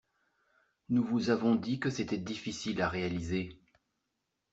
Nous vous avons dit que c’était difficile à réaliser.